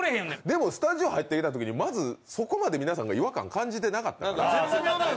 でも、スタジオ入ってきたときに、まず、そこまで皆さんが違和感感じてなかった。